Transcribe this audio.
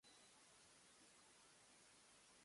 ラガマフィン